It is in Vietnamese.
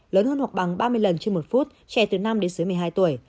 lớn hơn hoặc bằng ba mươi lần trên một phút trẻ từ năm đến dưới một mươi hai tuổi